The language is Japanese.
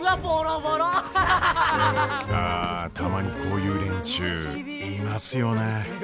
あたまにこういう連中いますよね。